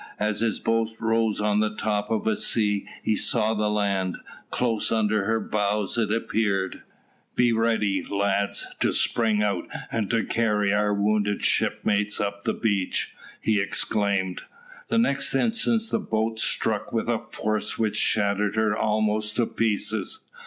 As his boat rose on the top of a sea, he saw the land: close under her bows it appeared. "Be ready, lads, to spring out, and to carry our wounded shipmates up the beach," he exclaimed. The next instant the boat struck with a force which shattered her almost to pieces.